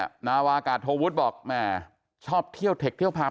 อาวาอากาศโทวุฒิบอกแม่ชอบเที่ยวเท็กเที่ยวพัก